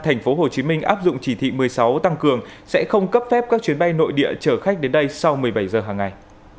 tp hcm áp dụng chỉ thị một mươi sáu tăng cường sẽ không cấp phép các chuyến bay nội địa chở khách đến đây sau một mươi bảy giờ hàng ngày